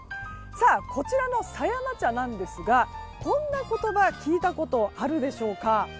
こちらの狭山茶ですがこんな言葉聞いたことあるでしょうか。